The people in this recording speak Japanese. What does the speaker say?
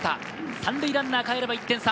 ３塁ランナーかえれば１点差